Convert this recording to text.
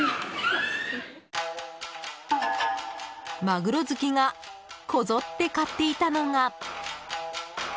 マグロ好きがこぞって買っていたのが。